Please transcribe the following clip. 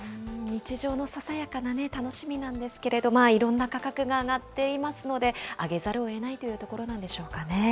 日常のささやかな楽しみなんですけど、いろんな価格が上がっていますので、上げざるをえないというところなんでしょうかね。